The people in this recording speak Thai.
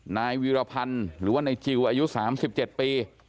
นายวีรพันธ์หรือว่านายจิลอายุ๓๗ปี